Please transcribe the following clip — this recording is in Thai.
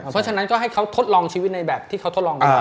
เพราะฉะนั้นก็ให้เขาทดลองชีวิตในแบบที่เขาทดลองกันมา